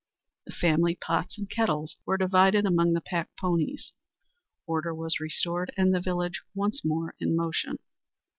The family pots and kettles were divided among the pack ponies. Order was restored and the village once more in motion.